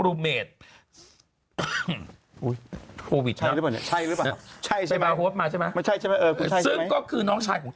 ลูเมจโควิดใช่หรือเปล่าใช่หรือเปล่าใช่ใช่ไหมมาใช่ไหมก็คือน้องชายของ